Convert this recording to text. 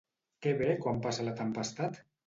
Què ve quan passa la tempestat?